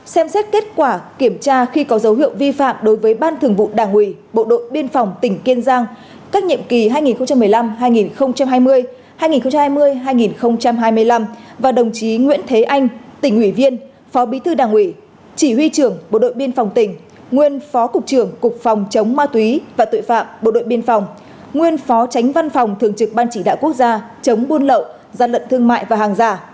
ba xem xét kết quả kiểm tra khi có dấu hiệu vi phạm đối với ban thường vụ đảng ủy bộ đội biên phòng tỉnh kiên giang các nhiệm kỳ hai nghìn một mươi năm hai nghìn hai mươi hai nghìn hai mươi hai nghìn hai mươi năm và đồng chí nguyễn thế anh tỉnh ủy viên phó bí thư đảng ủy chỉ huy trưởng bộ đội biên phòng tỉnh nguyên phó cục trưởng cục phòng chống ma túy và tội phạm bộ đội biên phòng nguyên phó tránh văn phòng thường trực ban chỉ đạo quốc gia chống buôn lậu gian lận thương mại và hàng giả